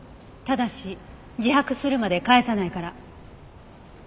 ただし自白するまで帰さないから。